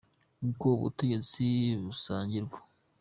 Kuko ubutegetsi busangirwa.